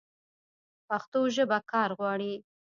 پښتو ژبه کار غواړي.